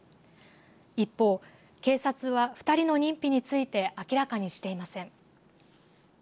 一方、警察は２人の認否について明らかにしていません。